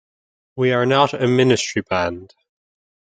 We are not a ministry band.